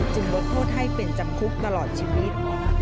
ลดโทษให้เป็นจำคุกตลอดชีวิต